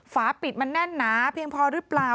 ฝาปิดมันแน่นหนาเพียงพอหรือเปล่า